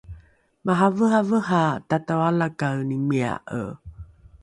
maraveravera tatoalakaenimia’e